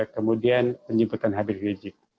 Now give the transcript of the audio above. kemudian penyambutan habis rizik